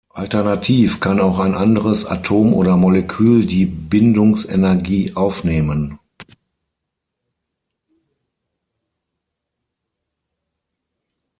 Alternativ kann auch ein anderes Atom oder Molekül die Bindungsenergie aufnehmen.